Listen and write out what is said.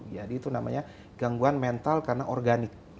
jadi itu namanya gangguan mental karena organik